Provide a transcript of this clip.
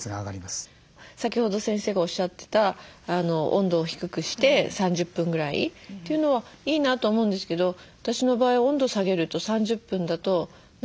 先ほど先生がおっしゃってた温度を低くして３０分ぐらいというのはいいなと思うんですけど私の場合温度下げると３０分だと何かこう汗が出てこない。